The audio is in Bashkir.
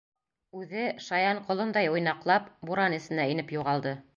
Үҙе, шаян ҡолондай уйнаҡлап, буран эсенә инеп юғалды.